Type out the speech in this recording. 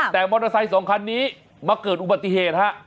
แต่มอเตอร์ไซค์สองคันนี้มาเกิดอุบัติเหตุฮะ